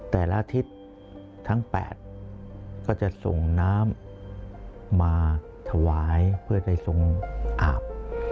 แต่ละอาทิตย์ทั้ง๘ก็จะส่งน้ำมาถวายเพื่อได้ทรงอาบ